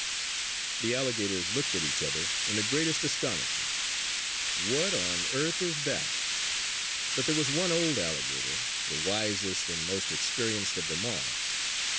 _ The alligators looked at each other in the greatest astonishment: "What on earth is that?" But there was one old alligator, the wisest and most experienced of them all.